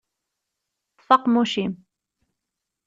Ṭṭef aqemmuc-im!